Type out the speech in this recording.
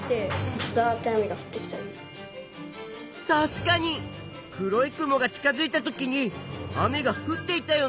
たしかに黒い雲が近づいたときに雨がふっていたよね。